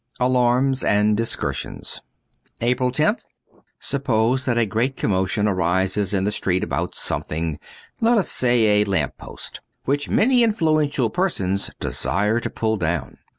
' Alarms and Dtsrursions.' 109 APRIL loth SUPPOSE that a great commotion arises in the street about something — let us say a lamp post, which many influential persons desire to pull down.